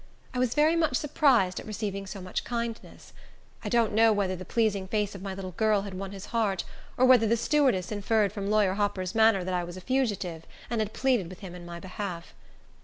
I was very much surprised at receiving so much kindness. I don't know whether the pleasing face of my little girl had won his heart, or whether the stewardess inferred from Lawyer Hopper's manner that I was a fugitive, and had pleaded with him in my behalf.